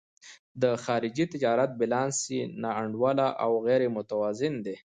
د خارجي تجارت بیلانس یې نا انډوله او غیر متوازن دی.